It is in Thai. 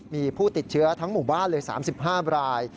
มีผู้ติดเชื้อทั้งหมู่บ้านเลย๓๕ราย